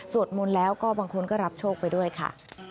มนต์แล้วก็บางคนก็รับโชคไปด้วยค่ะ